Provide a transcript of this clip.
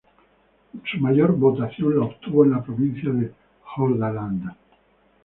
Su mayor votación la obtuvo en la provincia de Hordaland.